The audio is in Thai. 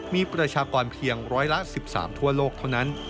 มีประชากรเพียงร้อยละ๑๓ทั่วโลกเท่านั้น